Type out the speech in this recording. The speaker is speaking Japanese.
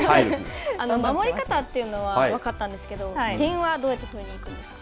守り方というのは分かったんですけど、点はどうやって取りに行くんですか。